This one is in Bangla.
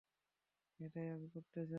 এটাই আমি করতে চাই।